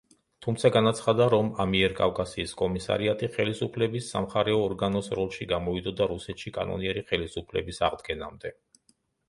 თუმცა, განაცხადა, რომ ამიერკავკასიის კომისარიატი ხელისუფლების სამხარეო ორგანოს როლში გამოვიდოდა რუსეთში კანონიერი ხელისუფლების აღდგენამდე.